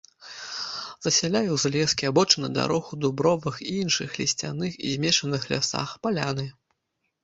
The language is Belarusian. Засяляе узлескі, абочыны дарог у дубровах і іншых лісцяных і змешаных лясах, паляны.